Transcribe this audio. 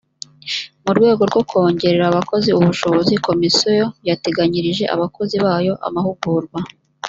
mu rwego rwo kongerera abakozi ubushobozi komisiyo yateganyirije abakozi bayo amahugurwa